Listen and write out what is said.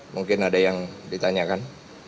mungkin ada yang ditanyakan